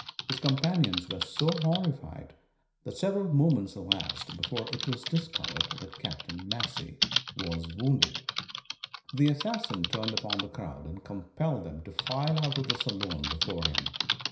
His companions were so horrified that several moments elapsed before it was discovered that Capt. Massey was wounded. [Illustration: Death of Wild Bill.] The assassin turned upon the crowd and compelled them to file out of the saloon before him.